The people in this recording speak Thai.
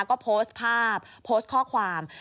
ก็โพสต์ภาพโพสต์ข้อความ